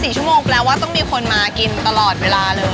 ๔ชั่วโมงแปลว่าต้องมีคนมากินตลอดเวลาเลย